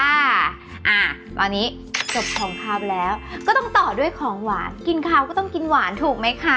อ่าตอนนี้จบของขาวแล้วก็ต้องต่อด้วยของหวานกินข้าวก็ต้องกินหวานถูกไหมคะ